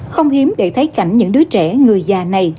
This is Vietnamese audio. không hiếm để thấy cảnh những đứa trẻ người già này